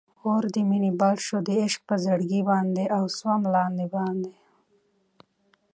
اور د مینی بل سو د عاشق پر زړګي باندي، اوسوم لاندی باندي